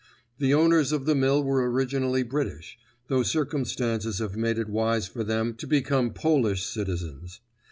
The owners of the mill were originally British, though circumstances have made it wise for them to become Polish citizens.